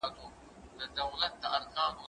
زه به اوږده موده سبا ته فکر کړی وم؟!